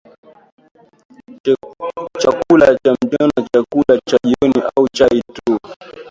chakula cha mchana chakula cha jioni au chai tu